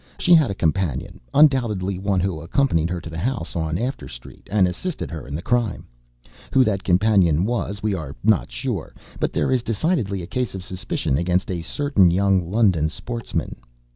She had a companion, undoubtedly, one who accompanied her to the house on After Street, and assisted her in the crime. Who that companion was, we are not sure; but there is decidedly a case of suspicion against a certain young London sportsman.